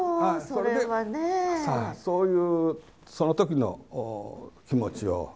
そういうその時の気持ちを。